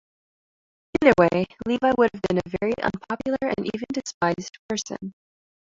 Either way, Levi would have been a very unpopular and even despised person.